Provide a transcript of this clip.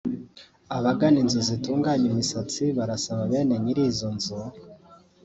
Abagana inzu zitunganya imisatsi barasaba bene nyiri izo nzu